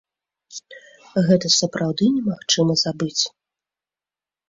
Гэта сапраўды немагчыма забыць.